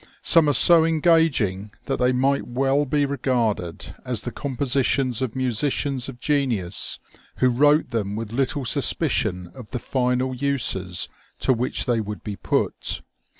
Some are so engaging that they might well be regarded as the compositions of musicians of genius, who wrote them with little suspicion of the final uses to which they would be put.